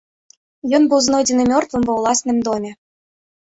Ён быў знойдзены мёртвым ва ўласным доме.